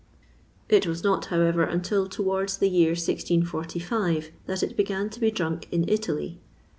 It was not, however, until towards the year 1645, that it began to be drunk in Italy.